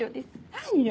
何よ！